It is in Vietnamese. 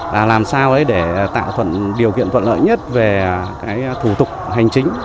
làm sao để tạo điều kiện thuận lợi nhất về thủ tục hành chính